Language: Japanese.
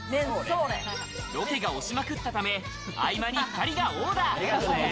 ロケが押しまくったため、合間に２人がオーダー。